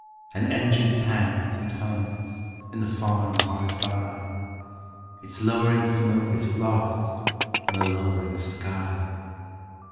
An engine pants and hums In the farm hard by: Its lowering smoke is lost In the lowering sky.